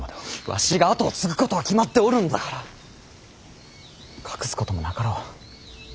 わしが跡を継ぐことは決まっておるのだから隠すこともなかろう。